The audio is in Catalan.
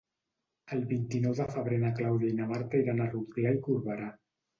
El vint-i-nou de febrer na Clàudia i na Marta iran a Rotglà i Corberà.